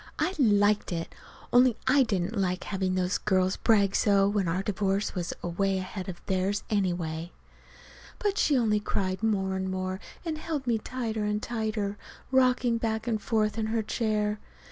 I liked it only I didn't like to have those girls brag so, when our divorce was away ahead of theirs, anyway. But she only cried more and more, and held me tighter and tighter, rocking back and forth in her chair.